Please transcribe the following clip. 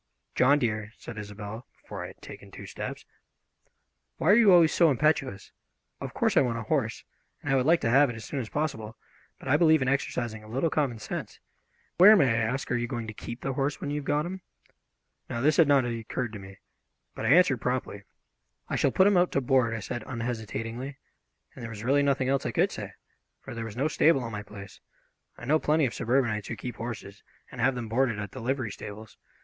"John, dear," said Isobel, before I had taken two steps, "why are you always so impetuous? Of course I want a horse, and I would like to have it as soon as possible, but I believe in exercising a little common sense. Where, may I ask, are you going to keep the horse when you have got him?" Now, this had not occurred to me, but I answered promptly. "I shall put him out to board," I said unhesitatingly, and there was really nothing else I could say, for there was no stable on my place. I know plenty of suburbanites who keep horses and have them boarded at the livery stables.